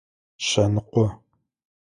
Шъэныкъо.